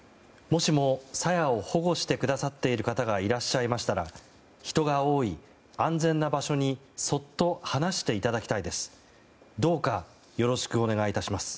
もしも、朝芽を保護してくださっている方がいらっしゃいましたら人が多い、安全な場所にそっと放していただきたいです。